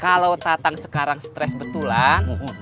kalau tatang sekarang stres betulan